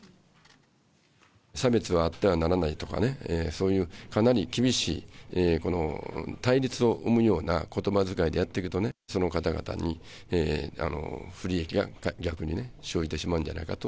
差別はあってはならないとかね、そういうかなり厳しい対立を生むようなことば遣いでやっていくとね、その方々に、不利益が逆に生じてしまうんじゃないかと。